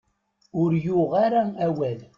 Ur yuɣ ara awal.